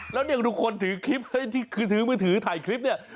แล้วทุกคนถือคลิปที่ถือมือถือถ่ายคลิปเนี่ย